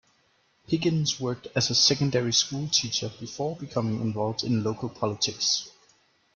Higgins worked as a secondary school teacher before becoming involved in local politics.